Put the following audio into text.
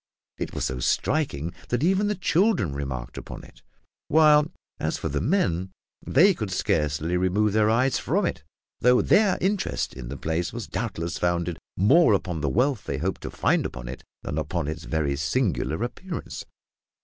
It was so striking that even the children remarked upon it; while, as for the men, they could scarcely remove their eyes from it, though their interest in the place was doubtless founded more upon the wealth they hoped to find upon it than upon its very singular appearance.